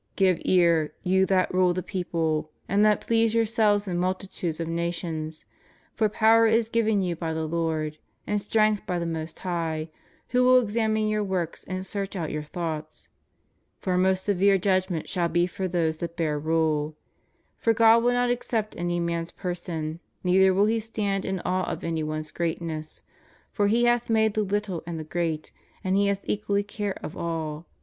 Give ear, you that rule the people, and that please yourselves in multitudes of nations; for power is given you by the Lord, and strength by the Most High, who ivill examine your works, and search out your thoughts; ... for a most severe judgment shall he for them that bear rule. ... For God will not accept any man's per son, neither will He stand in awe of any one's greatness: for He hath made the little and the great, and He haih equally care of all.